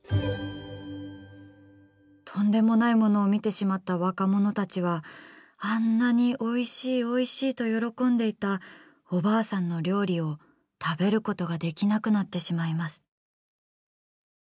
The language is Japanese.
とんでもないものを見てしまった若者たちはあんなにおいしいおいしいと喜んでいたおばあさんの料理を食べることができなくなってしまいます。